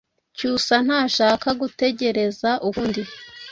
Cyusa ntashaka gutegereza ukundi.